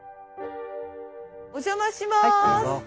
お邪魔します。